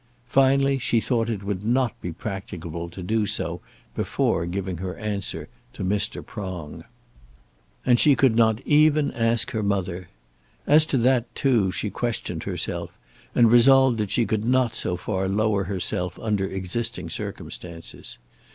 Finally, she thought it would not be practicable to do so before giving her answer to Mr. Prong. And she could not even ask her mother. As to that, too, she questioned herself, and resolved that she could not so far lower herself under existing circumstances.